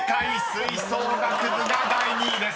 「吹奏楽部」が第２位です］